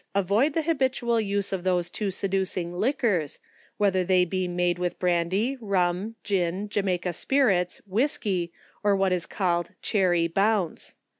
avoid the habitual use of those too seducing liquors, whether they be made with brandy, rum, gin, Jamaica spirits, whiskey, or what is called cherry bounce.